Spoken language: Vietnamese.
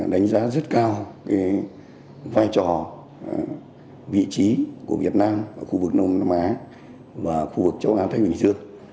đánh giá rất cao vai trò vị trí của việt nam ở khu vực đông nam á và khu vực châu á thái bình dương